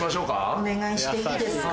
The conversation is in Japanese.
お願いしていいですか？